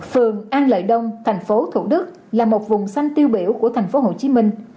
phường an lợi đông thành phố thủ đức là một vùng xanh tiêu biểu của thành phố hồ chí minh